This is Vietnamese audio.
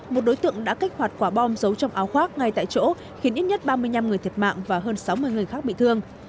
một đối tượng đã kích hoạt quả bom giấu trong áo khoác ngay tại chỗ khiến ít nhất ba mươi năm người thiệt mạng và hơn sáu mươi người khác bị thương